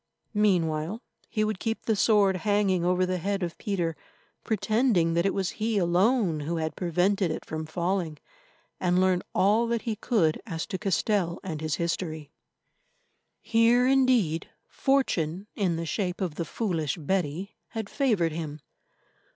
Meanwhile, he would keep the sword hanging over the head of Peter, pretending that it was he alone who had prevented it from falling, and learn all that he could as to Castell and his history. Here, indeed, Fortune, in the shape of the foolish Betty, had favoured him.